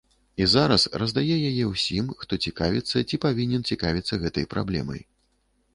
І зараз раздае яе ўсім, хто цікавіцца ці павінен цікавіцца гэтай праблемай.